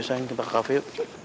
oke sayang kita ke cafe yuk